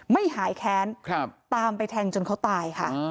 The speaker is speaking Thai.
ไม่หายแค้นตามไปแทงจนเขาตายค่ะ